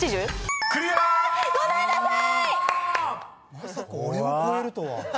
まさか俺を超えるとは。